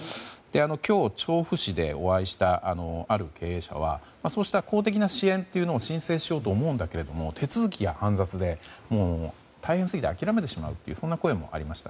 今日、調布市でお会いしたある経営者はそうした公的な支援を申請しようと思うんだけど手続きが煩雑で、大変すぎて諦めてしまうというそんな声もありました。